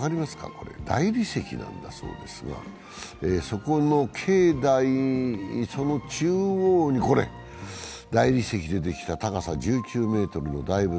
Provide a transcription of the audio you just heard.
これ大理石なんだそうですが、そこの境内、その中央に大理石で出来た高さ１９ｍの大仏。